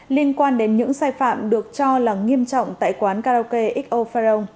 liên quan đến những sai phạm được cho là nghiêm trọng tại quán karaoke xo farong